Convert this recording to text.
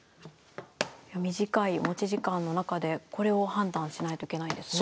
短い持ち時間の中でこれを判断しないといけないんですね。